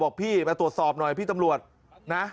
พี่มาตรวจสอบหน่อยพี่ตำรวจนะ